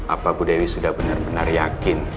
apa bu dewi sudah benar benar yakin